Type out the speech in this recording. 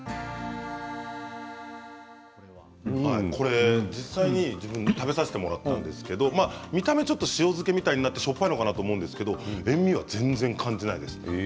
これ、実際に食べさせてもらったんですけど見た目、ちょっと塩漬けみたいにになってしょっぱいのかなと思うんですが塩みは全然感じないです。